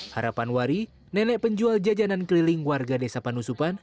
harapan wari nenek penjual jajanan keliling warga desa panusupan